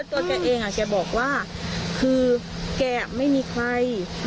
แล้วตัวแกเองแกบอกว่าคือแกไม่มีใครมีแต่พวกเรา